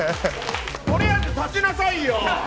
とりあえず立ちなさいよ。